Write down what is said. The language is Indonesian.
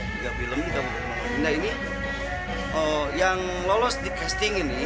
tiga film ini yang lolos di casting ini